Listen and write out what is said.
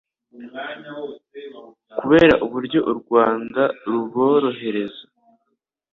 Kubera uburyo u Rwanda ruborohereza.